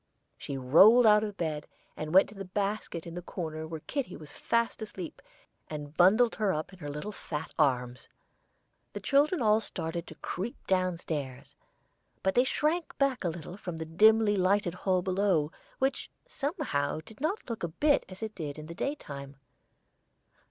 She rolled out of bed, and went to the basket in the corner where kitty was fast asleep, and bundled her up in her little fat arms. The children all started to creep down stairs, but they shrank back a little from the dimly lighted hall below, which somehow did not look a bit as it did in the daytime.